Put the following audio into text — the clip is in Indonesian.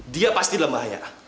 dia pasti dalam bahaya